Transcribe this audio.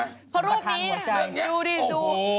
เพราะรูปนี้ดูดิดู